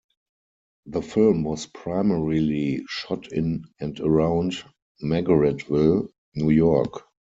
The film was primarily shot in and around Margaretville, New York.